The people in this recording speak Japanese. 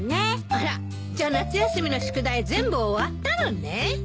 あらじゃあ夏休みの宿題全部終わったのね。